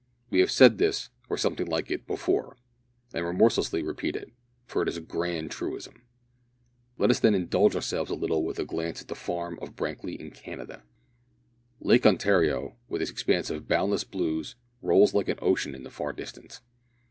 We have said this, or something like it, before, and remorselessly repeat it for it is a grand truism. Let us then indulge ourselves a little with a glance at the farm of Brankly in Canada. Lake Ontario, with its expanse of boundless blue, rolls like an ocean in the far distance.